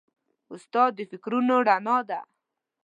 استاد د فکرونو رڼا ده.